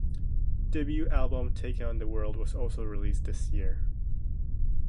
Debut album "Taking On the World" was also released this year.